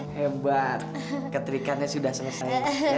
hebat keterikannya sudah selesai